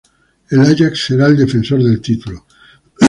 El Ajax será el defensor del título.